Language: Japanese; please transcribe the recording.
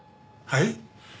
はい？